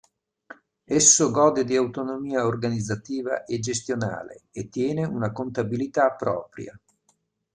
Esso gode di autonomia organizzativa e gestionale e tiene una contabilità propria.